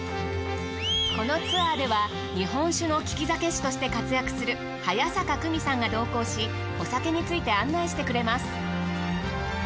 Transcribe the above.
このツアーでは日本酒のき酒師として活躍する早坂久美さんが同行しお酒について案内してくれます。